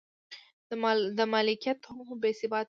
د مالکیت حقوق بې ثباته و.